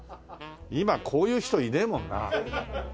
今こういう人いねえもんなあ。